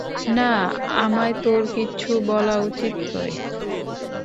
না, আমায় তোর কিচ্ছু বলা উচিত নয়।